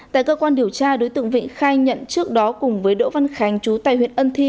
tại cơ quan điều tra đối tượng vịnh khai nhận trước đó cùng với đỗ văn khánh chú tại huyện ân thi